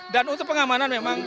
dan untuk pengamanan memang